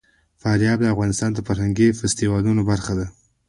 فاریاب د افغانستان د فرهنګي فستیوالونو برخه ده.